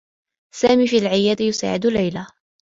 سامي في العيادة، يساعد ليلى.